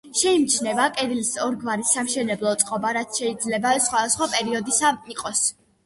შეიმჩნევა კედლის ორგვარი სამშენებლო წყობა, რაც შეიძლება სხვადასხვა პერიოდისა იყოს.